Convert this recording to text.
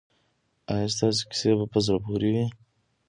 ایا ستاسو کیسې په زړه پورې دي؟